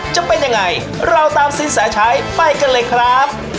จะเป็นยังไงเราตามสินแสชัยไปกันเลยครับ